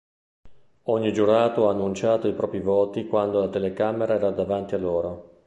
Ogni giurato ha annunciato i propri voti quando la telecamera era davanti a loro.